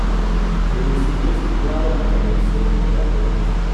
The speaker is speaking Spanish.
Municipio situado en el sur de la provincia.